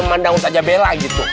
memang daun saja bela gitu